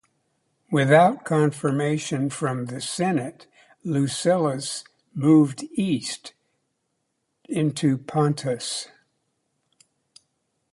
Without confirmation from the Senate, Lucullus moved east into Pontus.